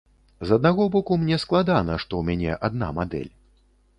З аднаго боку мне складана, што ў мяне адна мадэль.